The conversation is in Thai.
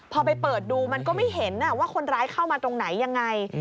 พอไปเปิดดูมันก็ไม่เห็นว่าคนร้ายเข้ามาตรงไหนยังไง